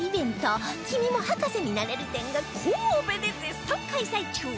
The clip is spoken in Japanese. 「君も博士になれる展」が神戸で絶賛開催中！